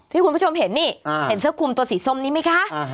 คุณผู้ชมเห็นนี่เห็นเสื้อคุมตัวสีส้มนี้ไหมคะ